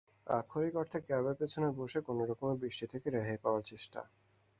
আক্ষরিক অর্থে ক্যাবের পিছনে বসে কোনরকমে বৃষ্টি থেকে রেহাই পাওয়ার চেষ্টা।